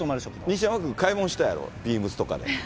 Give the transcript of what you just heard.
西山君、買い物したやろ、ビームスとかで。